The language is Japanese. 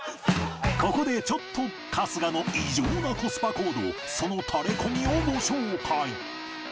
ここでちょっと春日の異常なコスパ行動そのタレコミをご紹介。